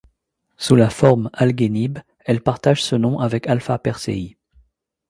Sous la forme Algenib, elle partage ce nom avec Alpha Persei.